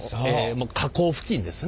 河口付近ですね。